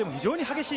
激しい。